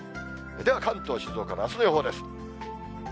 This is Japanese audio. では関東、静岡のあすの予報です。